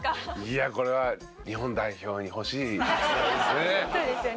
「いやこれは日本代表に欲しい逸材ですね」